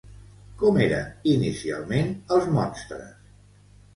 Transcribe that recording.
Com eren inicialment els monstres?